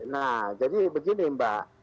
nah jadi begini mbak